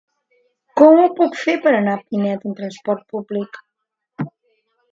Com ho puc fer per anar a Pinet amb transport públic?